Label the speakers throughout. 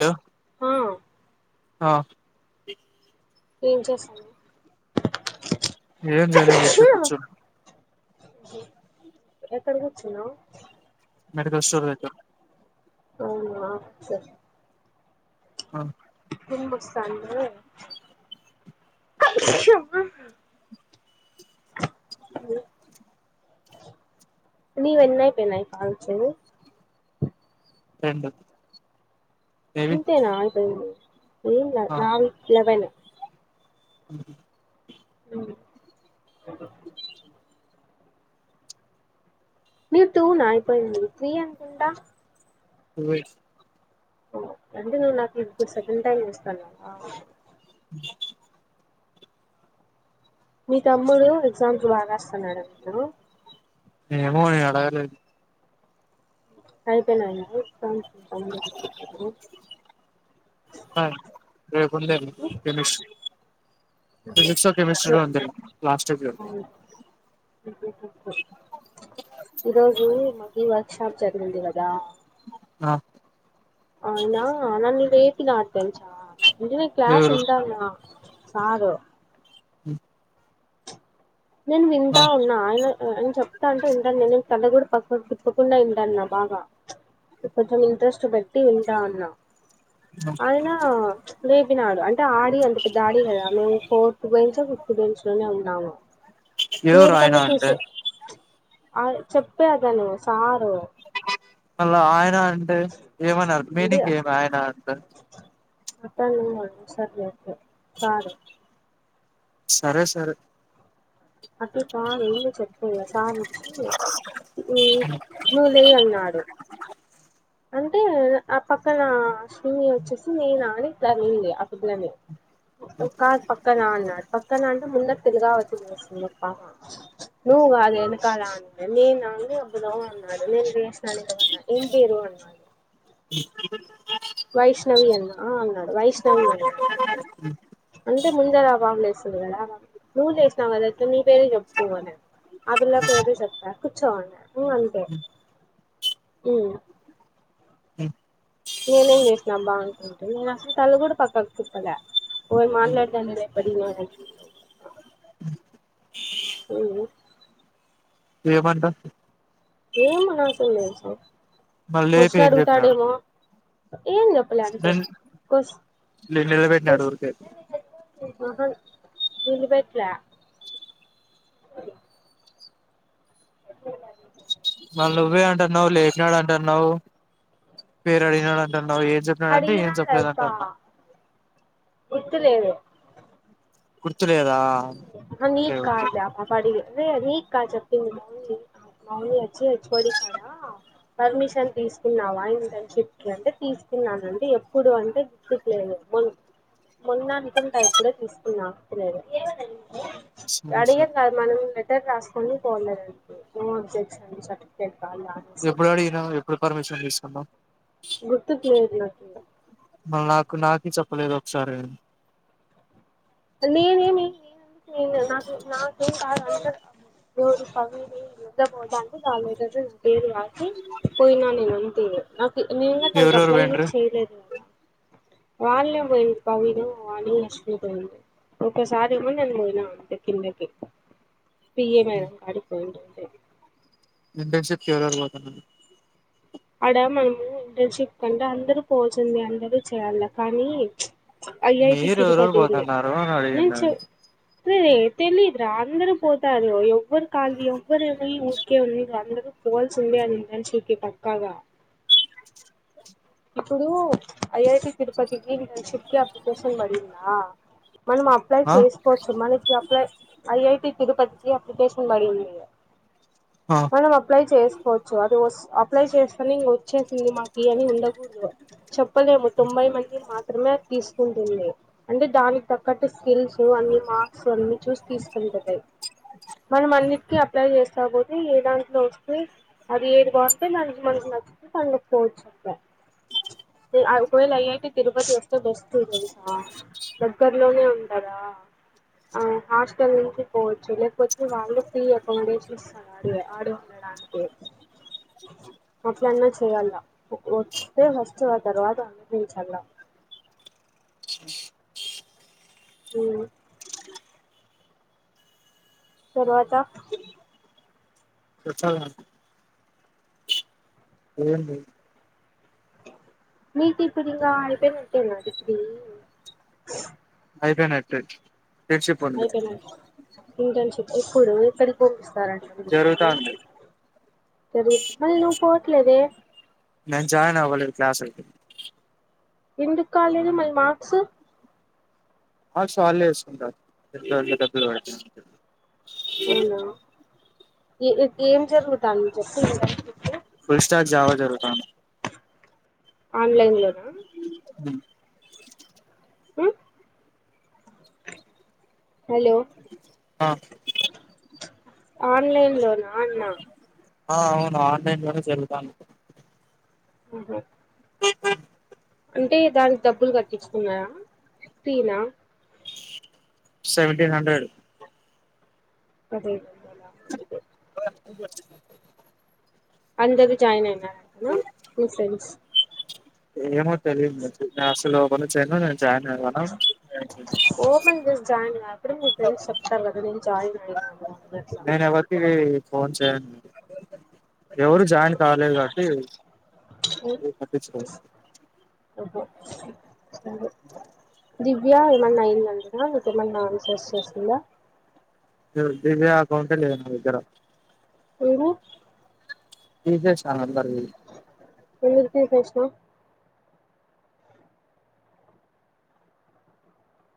Speaker 1: Hello
Speaker 2: ఆ
Speaker 1: ఆ
Speaker 2: ఏం చేస్తాడి
Speaker 1: ఏం చేయలేదు ఊరికి కూర్చొని
Speaker 2: ఎక్కడ కూర్చున్నావు
Speaker 1: మెడికల్ స్టోర్ దగ్గర
Speaker 2: అవునా సర
Speaker 1: ఆ
Speaker 2: హి ముస్తా అ ని వెన్నాయి పనాయి కాల్చ్చ
Speaker 1: రెండు ఏవి
Speaker 2: ఇంతే నాలు నావి లెవన్
Speaker 1: అ
Speaker 2: హ ఓ మీ టూ నాయిపోయింది త్రీ అనుకుంటా.
Speaker 1: అే
Speaker 2: అంటే నేను నాకు ఇది సెకండ్ టైమ్ ఇస్తానువా. మీ తమ్ముడు ఎగ్జామ్పులు బాగాస్తున్నాడు నేను.
Speaker 1: ఏ మూని అడదు
Speaker 2: అయితేనయి పెట్
Speaker 1: కొంద తెలుష్ ఫిజిక్స్ కెమిస్ట్రీలో అంది
Speaker 2: ఈరోజు మగివా షాప్ జరిగుంది కదా
Speaker 1: ఆ
Speaker 2: ఆ ఇనా నన్న ఇ రేపినాడు తెలుసా ఇజనే క్లాస్
Speaker 1: ఎవరు
Speaker 2: ఇందా సగు
Speaker 1: హ
Speaker 2: నేను వింటా ఉన్నా ఆయన ఆయన చెప్తా అంటే వింటాను నేను కద్ద కూడా పక్క. తిప్పకుండా ఏంటన్న బాగా కొంచెం ఇంట్రెస్ట్ పెట్ టి ఉంటా అన్నా ఆయన రేపినాడు అంటే ఆడి అంత పెద్దాడి కదా మేము ఫోర్ పోయించ స్న్స్ లోనే ఉండాం
Speaker 1: ఏవ రయనా ఉంట
Speaker 2: ఆ చెప్పేదని సారు
Speaker 1: అల్ ఆయన అంటే ఏమన్నారు మీనింగ్ ఏమి ఆయన అంత
Speaker 2: అతన్ని వా సరియచ్చ సాలు
Speaker 1: సరే సరే
Speaker 2: అటు పాడు చెప్పే సార్చ్చి ఈ నుూలే అన్నాడు అంటే ఆ పక్కన శీని వచ్చేసి నేను అని ఇట్లా ఉంది ఆ బిడ్లనే క పక్క నా నా పక్క నా మునటుదుగా వత్తులువేసింది ఒక్కామ్మా నువ్వు గాదే ఎనుకాలమే నీనా నువ్వే అబ్దులవ్ అన్నాడు. నేనుజెస్తా నీతో అన్నాడు. ఎమ్ బేరు అన్ అయ్ వైష్ణవి అన్నా ఆ అన్ద్ వైష్ణవి అన్నా అన్ టే ముందరా బాబులేసురు గాదా నువ్వు లేసినవ్ గదా ఇట్లా నీ పేరే జేప్పు అనద్ ఆ పిల్ల పేరు కూర్చో అన్నా ఊ అంటే హు నేనేం జేసినా అబ్బా అనుకుంటే నేను అసలు తల్లు కూడా పక్కకు తిప్పలే ఓర్ మాట్లాడదానేద ఎప్పుడ నేను అనుకుంటా
Speaker 1: ఏమంటన్
Speaker 2: ఏం నాకేం దేల్సు
Speaker 1: మళ్ళీ లేపి
Speaker 2: క్వశ్చన్
Speaker 1: ఏం చెప్పినాడు
Speaker 2: అడుగుతాడేమో ఎమ్ జెప్పాలే అంతే
Speaker 1: నేను
Speaker 2: కోస్
Speaker 1: నిలబెట్టినాడు
Speaker 2: కోస్
Speaker 1: ఊరికే
Speaker 2: మహన్ వీలిబేట్లా కదు ఎపుడో ఇలాదిషయ్
Speaker 1: మల్ నువ్వే అంటువ్ లే నాదంటున్నావ్ పేరడిగినవ్ అట్టాన్ న్నావు ఎడ్ జేప్పినాడుంటే ఏం చెప్పలేదుంటాన్నావ్
Speaker 2: ఇత్తు లేదేవ్
Speaker 1: గుర్తులేదా
Speaker 2: హా
Speaker 1: ఓకే ఓకే
Speaker 2: నీకదలే ఆ పాపడిగే అరే అది కా చెప్పింది మాౌలీ మాౌలీ వచ్చి హెచ్ఓడి కాడ పర్మిషన్ తీసుకున్నావా ఇంటర్న్షిప్ కి అంటే తీసుకున్నానంటే ఎప్పుడు అంటే గుర్తుకలేదు మొన్ మొన్నటుంటే ఎప్పుడే తీసుకున్నా ఉత్తులేదు.
Speaker 1: సరే సరే
Speaker 2: అడిగిందాద్ మనం మూగట్ టర్ రాసుకొని పోలేదండి నో అబ్జెక్షన్ సర్టిఫికేట్ కావాలా అనేసి
Speaker 1: ఎప్పుడు అడిగినవు, ఎప్పుడు పర్మిషన్ తీసుకున్నావ్.
Speaker 2: గుర్తుక్ లేది నాకి
Speaker 1: కూనకీ చెప్పలేదు ఒకసారి
Speaker 2: నినేమి ఇనా నాకు నాకేం కదా రోరు పవిని నిద్దపోడానికి నాలీటర్లు పేరు ఆపి పోయినా నేను అంతే నాక్ నేన్గా దానికి
Speaker 1: ఎవరెవరు
Speaker 2: అప్లై
Speaker 1: పోయిండ్రు
Speaker 2: కూడా చేయలేదు. ఇంగా వాళ్లే బోయిర్ పవిను అనిల్ లక్ష్మిపోయింది. ఓక్క సారి ఏమో నేను పోయినా అంతే కిందకి పిఏ మేడం కాడికి పోయిండు హే
Speaker 1: ఇంటన్షిప్కి ఎవరెవరు పోతన్నారు
Speaker 2: ఆడ మనము ఇంటర్షిప్ అంటే అందరూ పోవాల్సిదే అందరు చేయాలా కానీ ఐఐటి
Speaker 1: మీరు ఎవరెవరు
Speaker 2: తిరుపతి ఇళ్లే
Speaker 1: పోతున్నారు అని అడిగిండు
Speaker 2: నిచ్చు రే రే తెలీదు రా అందరు పోతారు. ఎవ్వరు కాళీ ఎవ్వరు పోయి ఊరికే ఉంది అందరు పోవాల్సిదే అది ఇంటర్షిప్ కి కద ఇప్పుడు ఐఐటి తిరుపతికి ఇంటర్షిప్ కి అప్లికేషన్ బడిందా మనం అప్లై
Speaker 1: ఆ
Speaker 2: చేసుకోవచ్చు మనకి అప్లై ఐఐటి తిరుప కి అప్లికేషన్ బడింది ఇగ
Speaker 1: ఆ
Speaker 2: మనం అప్లై చేసుకోవచ్చు అది వస్తు అప్లై చేస్తని ఇంగ వచ్చేసింది మాకీ అని ఉండ చెప్పలేము తోంబయి మంది మాత్ర త్రమే తీసుకుంటుంది అంటే దానికి దగ్గట్టు స్కిల్స్ అన్ని మార్క్స్ అన్ని చూసి తీసుకుంటది మనం అన్నిటికీ అప్లై చేస్తా పోతే ఏ దాంట్లో వస్తే అది ఏది బాగుంటే దానికి మనకు నచ్చితే తనుక్కవచ్చు ఇంగ ఉ ఒకవేళ ఐఐటి తిరుపతి వస్తే బెస్ట్ తెలుసా దగ్గరలోనే ఉండదా ఆ హాస్టల్ నుంచి పోవచ్చు లేకపోతే వాళ్ళు ఫ్రీ అకామిడేషన్ ఇస్తారు ఆడే ఆడే ఉండడానికి అట్లన్నా చెయ్యల్ల తే ఫస్ట్ అ తర్వాత [unintelligible] ఉ తరువాత
Speaker 1: [unintelligible] అనుకుంటున్నా ఏంది
Speaker 2: మీకిప్పుడు ఇంగా అయ్ పేయినట్టేనా డిగ్రీ
Speaker 1: అయిపేనట్టే
Speaker 2: అయ్యి పోయినట్టే ఇంటర్న్షిప్ ఇప్పుడు ఎక్కడికి పంపిస్తారండి మిమ్మల్ని
Speaker 1: జరుగుతాంది
Speaker 2: సరి మళ్ళీ నువ్వు పోవట్లేదే
Speaker 1: నేను జాయిన్ అవ్వలేదు క్లాసులకి
Speaker 2: ఎందుకు కాలేదు మరి మార్క్స్
Speaker 1: మర్క్స్ వాళ్ళే ఏసుకుంటారు ఎంతో అంతో డబ్బులు పడె [unintelligible]
Speaker 2: అవునా ఏ ఇప్పుడు జరుగుతాంది చెప్పు ఇంటర్న్షిప్
Speaker 1: ఫుల్ స్టార్ జావా జరుగుతాంది
Speaker 2: ఆన్లైన్ లోనా
Speaker 1: ఉమ్
Speaker 2: ఉ హలో
Speaker 1: ఆ
Speaker 2: ఆన్లైన్ లోనా అన్నా
Speaker 1: ఆ అవును ఆన్లైన్ లోనే జరుగుతాంది ఇప్
Speaker 2: ఉహు అంటే దానికి డబ్బులు కట్టిచ్చుకున్నార ఫ్రీనా
Speaker 1: సెవెన్ంటీన్ హండ్రెడ్
Speaker 2: అదే
Speaker 1: ఆ [inaudible]
Speaker 2: అందరు జాయిన్ అయినార నా నీ ఫ్రెండ్స్
Speaker 1: ఏమో తెలిదు [unintelligible] నేను అసలు ఫోను చెయలా జాయన్ అవ్వడం
Speaker 2: ఓపెన్ చేసి [unintelligible] మీ ఫ్రెండ్స్ చెప్తారు కదా జాయిన్ అయిన గుడ
Speaker 1: నేను ఎవరికి ఫోన్ చేయను. ఎవరు జాయిన్ కాలేదు కాబట్టి నేన్ పట్టించుకోన్
Speaker 2: ఒబ్బో సరే దివ్యా ఏమన్నా అయిందా ఆ నీకేమన్నా మెసేజ్ చేస్తుందా
Speaker 1: దివ్వ అకౌంటే లేదు నా దగ్గర
Speaker 2: ఏమో
Speaker 1: తీసేసా అందర్ది.
Speaker 2: ఎందుకు తీసేస్నవ్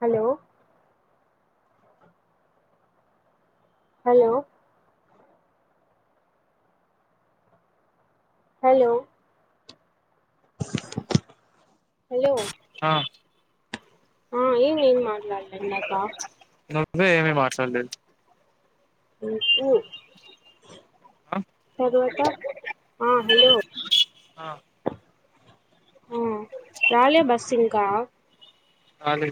Speaker 2: హలో హలో హలో హలో
Speaker 1: ఆ
Speaker 2: ఆ ఏం ఏం మాట్లాడ్లే ఇందాక
Speaker 1: నువ్వే ఏమి మాట్లాడ్లేదు. ఆ
Speaker 2: [inaudible] తర్వాత ఆ హలో
Speaker 1: ఆ
Speaker 2: ఆ రాలే బస్ ఇంకా
Speaker 1: రాలే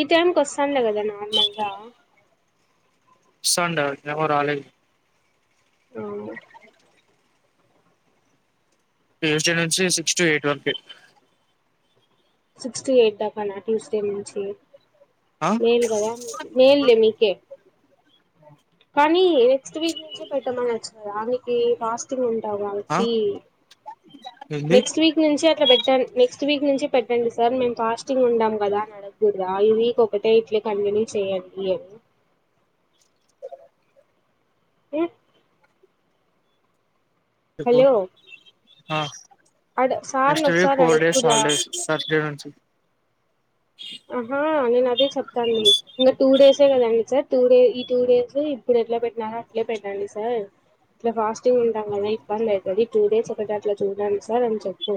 Speaker 2: ఈ టైంకి వస్తాండే కదా నార్మల్గా
Speaker 1: సండే [unintelligible]
Speaker 2: అవునా
Speaker 1: ట్యూస్డే నుంచి sixty twenty
Speaker 2: six to eight దాకానా ట్యూస్డే నుంచి
Speaker 1: ఆ
Speaker 2: మేల్ కదా మేల్లే మీకే
Speaker 1: ఆ
Speaker 2: కానీ నెక్స్ట్ వీక్ నుంచే పెట్టమనచ్చు కదా ఆనికి ఫాస్టింగ్ ఉం టవు
Speaker 1: ఆ
Speaker 2: కాబట్టీ
Speaker 1: ఏంది
Speaker 2: నెక్స్ట్ వీక్ నుంచి అట్లా పెట్ట నెక్స్ట్ వీక్ నుంచి పెట్టండి సార్ మేం ఫాస్టింగ్ ఉంటాం కదా అని అడగున్రా ఈ వీక్ ఒకటే ఇట్లే కంటిన్యూ చేయండి అని ఏ
Speaker 1: చెప్పు
Speaker 2: హలో
Speaker 1: ఆ
Speaker 2: అడ సార్ని
Speaker 1: నెక్స్ట్ వీక్
Speaker 2: ఒకసారి
Speaker 1: ఫోర్ డేస్
Speaker 2: అడగకూడదా
Speaker 1: హాల్డేస్ సటర్డే నుం చె
Speaker 2: ఆహా నేన్ అదే చెప్తంది. ఇంకా టూ డేసే కదండి సార్ టూ డే ఈ టూ డేస్ ఇప్పుడు ఎట్ల పెట్టినారో అట్లే పెట్టండి సార్ ఇట్ల ఫాస్టింగ్ ఉంటాం కదా ఇబ్బందయితది. టూ డేస్ ఒక దాంట్ల చూడండి సార్ అని చెప్పు.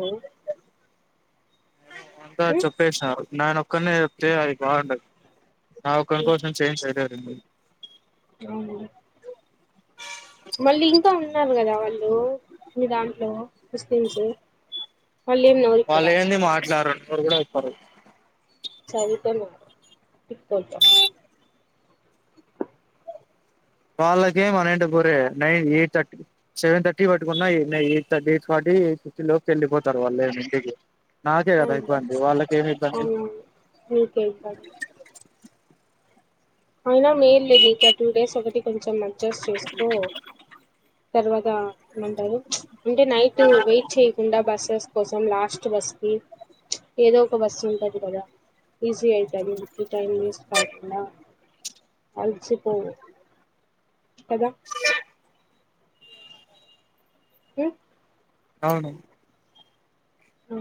Speaker 1: ఇంకా
Speaker 2: ఉమ్,
Speaker 1: చెప్పేసినారు నేన ఒక్కరినే అేయి కాంట నా ఒకరి
Speaker 2: ఉమ్,
Speaker 1: కోసం చేంజ్ చేయలేరు అ
Speaker 2: అవు మల్లి ఉన్నారు కదా వాళ్ళు మీ దాంట్లో ముస్లింసు మల్లి ఏం నోరిప్పర
Speaker 1: వాళ్ళు ఏంది మాట్లాడరు నోరు కూడా విప్పరు
Speaker 2: చవిత మ ఇపో
Speaker 1: వాళ్ళకేం అనంట పూరే nine eight thirty seven thirty పట్టుకున్న eight thirty eight thirty eight fifty లోకి వెళ్ళిపోతారు వాళ్ళు ఇంటికి నాకే కదా
Speaker 2: అవునులే.
Speaker 1: ఇబ్బంది వాళ్ళక ఏమి ఇబ్బంది
Speaker 2: అవునవును నీకే ఇబ్బంది అనా మ ఇళ్ళని క టూ డేస్ ఒకటి కొంచెం అడ్జస్ట్ చేసుకో తర్వాత ఏమంటారు అంటే నైట్ వెయిట్ చేయ్యకుండా బస్ కోసం లాస్ట్ బస్కి ఏదో ఒక బస్సు ఉంటుంది కదా ఈజీ అవుతుంది టైం వేస్ట్ కాకుండా అడిచిపోవు కదా క
Speaker 1: అవును
Speaker 2: అ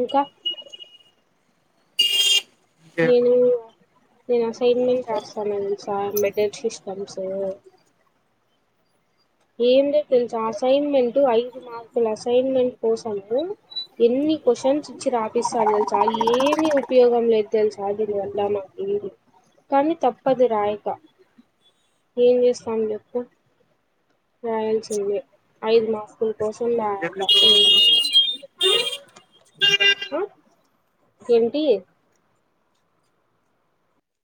Speaker 2: ఇంకా
Speaker 1: ఎందుకు
Speaker 2: నేను నేను అసైన్మెంట్ రాస్తానుం సార్ మెడల్ సిస్టమ్స్ ఏంటో తెలుసా అసైన్మెంట్ ఐదు మార్కుల అసైన్మెంట్ కోసము ఎన్ని క్వశ్చన్స్ ఇచ్చి రాపిస్తారు తెలుసా ఏమిీ ఉపయోగం లేదు తెలుసా దీని వల్ల మాకు ఏది కానీ తప్పదు రాయక ఏం చేస్తాం చెప్పు రాయాల్సిందే ఐదు మార్కుల కోసం దాయలో ఏ ఏమిటి